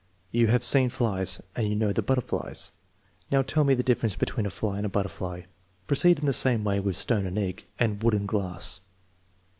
You have seen flies? And you know the butterflies! Now, tell me the difference between a fly and a butterfly.' 9 Proceed in the same way with stone and egg, and wood and glass.